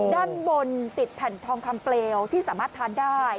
ด้านบนติดแผ่นทองคำเปลวที่สามารถทานได้